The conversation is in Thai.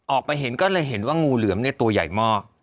ออกไปเห็นก็เลยเห็นว่างูเหลือมตัวใหญ่มาก